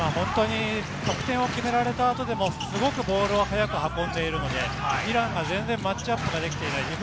得点を決められた後でもすごくボールを早く運んでいるので、イランが全然マッチアップできていない。